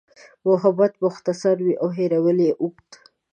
محبت مختصر وي او هېرول اوږد.